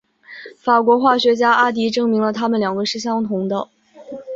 法国化学家阿迪证明了它们两个是相同的。